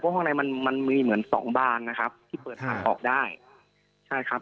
ข้างในมันมันมีเหมือนสองบานนะครับที่เปิดทางออกได้ใช่ครับ